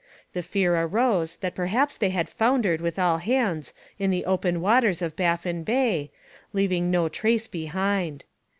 The fear arose that perhaps they had foundered with all hands in the open waters of Baffin Bay, leaving no trace behind.